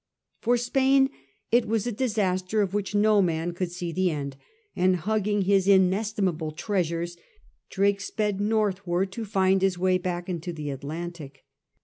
For Spain it was a disaster of which no man could see the end, and, hugging his inestimable treasures, Drake sped northward to find his way back into the Atlantic.